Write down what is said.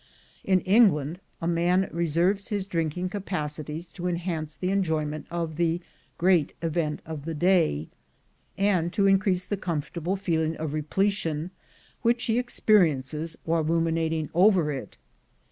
LIFE AT HIGH SPEED 77 In England a man reserves his drinking capaci ties to enhance the enjoyment of the great event of the day, and to increase the comfortable feeling of repletion which he experiences while ruminating over it.